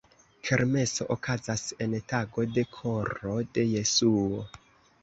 Kermeso okazas en tago de Koro de Jesuo.